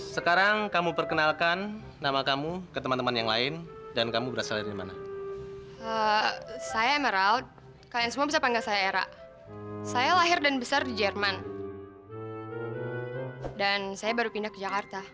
sampai jumpa di video selanjutnya